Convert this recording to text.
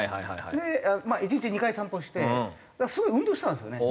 まあ１日２回散歩してすごい運動してたんですよね。